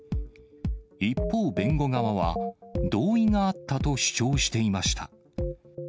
一方、弁護側は、同意があったと主張していました。